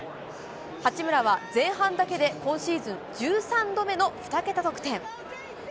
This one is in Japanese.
八村は前半だけで、今シーズン１３度目の２桁得点。